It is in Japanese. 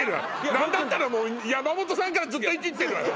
何だったらもう山本さんからずっとイジってるわよ